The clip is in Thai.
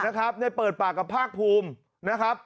นะครับได้เปิดปากกับภาคภูมินะครับ